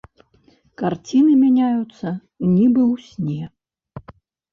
Карціны мяняюцца, нібы ў сне.